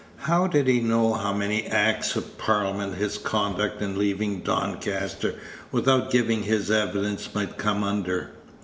How did he know how many Acts of Parliament his conduct in leaving Doncaster without giving his evidence might come under?